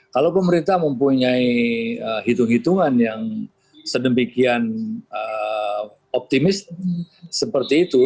kalau pemerintah mempunyai hitung hitungan yang sedemikian optimis seperti itu